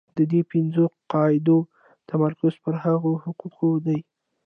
د دې پنځو قاعدو تمرکز پر هغو حقوقو دی.